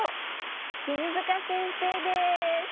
君塚先生です！